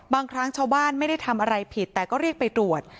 บางครั้งชาวบ้านไม่ได้ทำอะไรผิดแต่ก็เรียกไปตรวจ